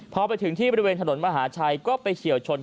พอไปถึงที่บริเวณถนนมหาชัยก็ไปเฉียวชน